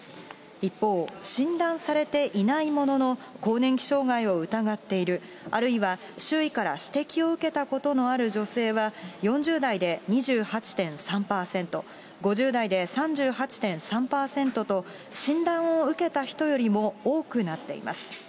一方、診断されていないものの、更年期障害を疑っている、あるいは周囲から指摘を受けたことのある女性は、４０代で２８．３％、５０代で３８．３％と、診断を受けた人よりも多くなっています。